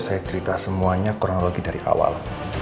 saya cerita semuanya kronologi dari awal